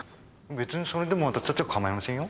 別にそれでも私たちは構いませんよ。